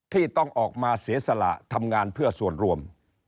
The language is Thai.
ที่ต้องออกมาเสียสละทำงานเพื่อส่วนรวม